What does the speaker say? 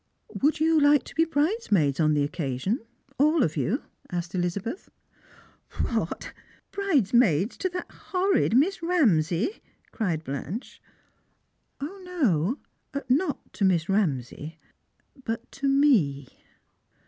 " Would you like to be bridesmaids on the occasion, all of you? " asked Elizabeth. " What, bridesmaids to that horrid Miss Ramsay P " cried Blanche. " No, not to Miss Ramsay — but to me."